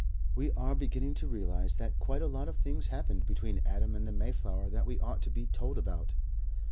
We are beginning to realize that quite a lot of things happened between Adam and the Mayflower that we ought to be told about.